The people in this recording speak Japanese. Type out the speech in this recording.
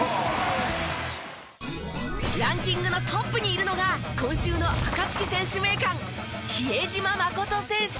ランキングのトップにいるのが今週のアカツキ選手名鑑比江島慎選手